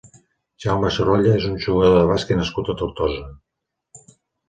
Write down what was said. Jaume Sorolla és un jugador de bàsquet nascut a Tortosa.